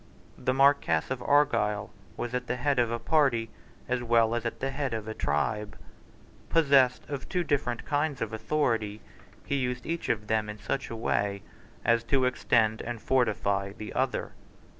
The Marquess of Argyle was the head of a party as well as the head of a tribe. Possessed of two different kinds of authority, he used each of them in such a way as to extend and fortify the other.